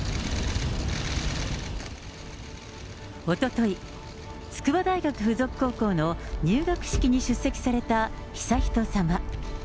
おととい、筑波大学附属高校の入学式に出席された悠仁さま。